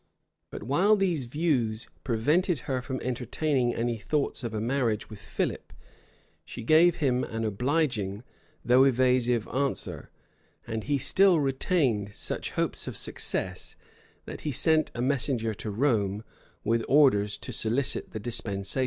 [*] But while these views prevented her from entertaining any thoughts of a marriage with Philip, she gave him an obliging, though evasive answer; and he still retained such hopes of success, that he sent a messenger to Rome, with orders to solicit the dispensation.